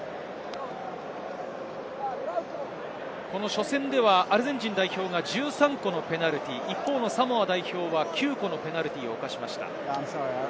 初戦ではアルゼンチン代表が１３個のペナルティー、サモア代表は９個のペナルティーを犯しました。